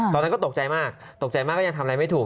ตอนนั้นก็ตกใจมากตกใจมากก็ยังทำอะไรไม่ถูก